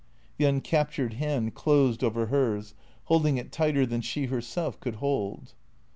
The uncaptured hand closed over hers, holding it tighter than she herself could hold.